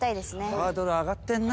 ハードル上がってんな。